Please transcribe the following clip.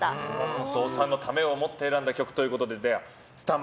お父さんのためを思って選んだ曲ということで。